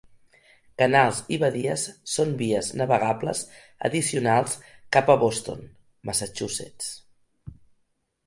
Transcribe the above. Canals i badies són vies navegables addicionals cap a Boston, Massachusetts.